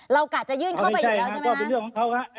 เรากะจะยื่นเข้าไปอยู่แล้วใช่ไหมครับอไม่ใช่ครับก็เป็นเรื่องของเขาครับ